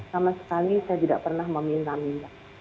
sama sekali saya tidak pernah meminta minta